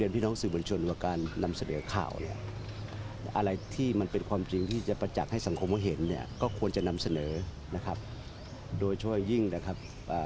ประจักษ์ให้สังคมเข้าเห็นเนี่ยก็ควรจะนำเสนอนะครับโดยช่วยยิ่งนะครับ